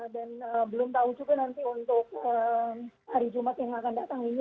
dan belum tahu juga nanti untuk hari jumat yang akan datang ini